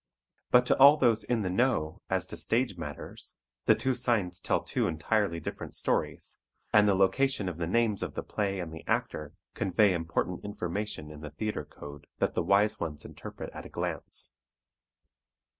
But to all those "in the know" as to stage matters the two signs tell two entirely different stories, and the location of the names of the play and the actor convey important information in the theatre code that the wise ones interpret at a glance.